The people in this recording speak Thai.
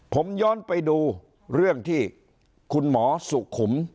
ผมย้อนไปดูเรื่องที่คุณหมอสุขุม